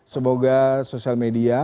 semoga sosial media